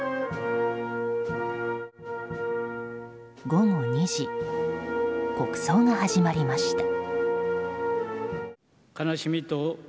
午後２時国葬が始まりました。